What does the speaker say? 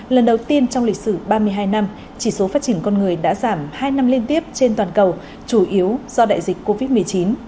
lần đầu tiên trong lịch sử ba mươi hai năm chỉ số phát triển con người đã giảm hai năm liên tiếp trên toàn cầu chủ yếu do đại dịch covid một mươi chín